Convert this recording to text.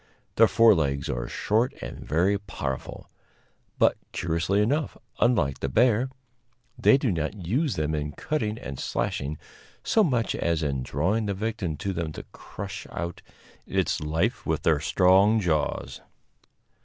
Their forelegs are short and very powerful; but, curiously enough, unlike the bear, they do not use them in cutting and slashing so much as in drawing the victim to them to crush out its life with their strong jaws.